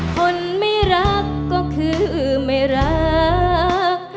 คนไม่รักก็คือไม่รัก